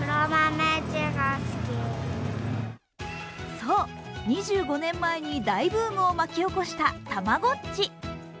そう、２５年前に大ブームを巻き起こしたたまごっち。